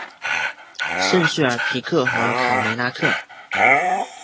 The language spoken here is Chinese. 圣叙尔皮克和卡梅拉克。